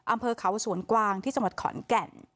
อำเภอเขาสวนกวางที่สมรรถขอนแก่น